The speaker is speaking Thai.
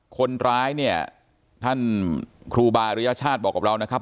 คนร้ายเนี่ยท่านครูบาริยชาติบอกกับเรานะครับ